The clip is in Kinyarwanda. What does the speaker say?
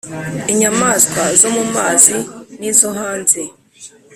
inyamaswa zo mu mazi nizo hanze.